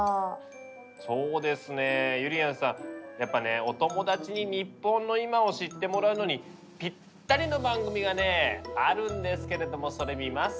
やっぱねお友達に日本の今を知ってもらうのにぴったりの番組がねあるんですけれどもそれ見ます？